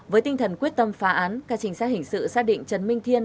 với tinh thần quyết tâm phá án các chính sách hình sự xác định trần minh thiên